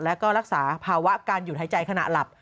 แล้วก็รักษาภาวะการหยุดหายใจขณะหลับ